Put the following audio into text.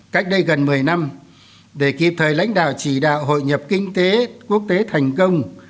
cách đây gần một mươi năm để kịp thời lãnh đạo chỉ đạo hội nhập kinh tế quốc tế thành công